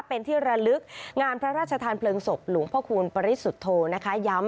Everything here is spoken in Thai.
เป็นที่ระลึกงานพระราชธรรมเผลิงศพหลุมพระคูณปริสุทโทนะคะ